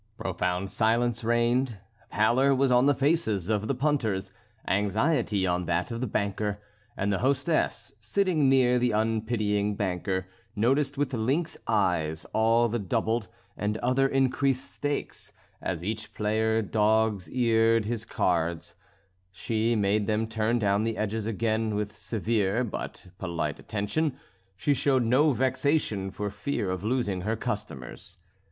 Profound silence reigned; pallor was on the faces of the punters, anxiety on that of the banker, and the hostess, sitting near the unpitying banker, noticed with lynx eyes all the doubled and other increased stakes, as each player dog's eared his cards; she made them turn down the edges again with severe, but polite attention; she showed no vexation for fear of losing her customers.